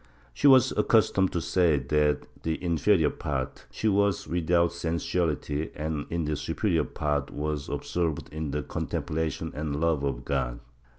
She was accustomed to say that, in the inferior part, she was without sensuality and in the superior part was absorbed in contemplation and love of God